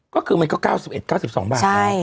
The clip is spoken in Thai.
ก็คือมันก็๙๑๙๒บาท